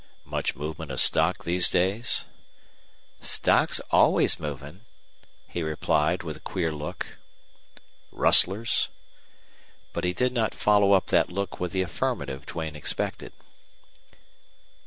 "Much movement of stock these days?" "Stock's always movin'," he replied, with a queer look. "Rustlers?" But he did not follow up that look with the affirmative Duane expected.